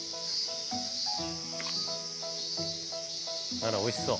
あらおいしそう！